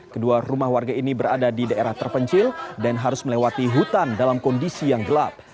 kedua rumah warga ini berada di daerah terpencil dan harus melewati hutan dalam kondisi yang gelap